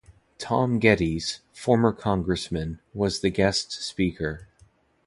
Tom Gettys, former Congressman, was the guest speaker.